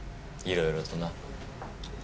いろいろとな。